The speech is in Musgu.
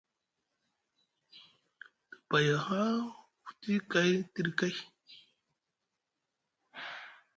Te baya haa futi kay tiɗi kay.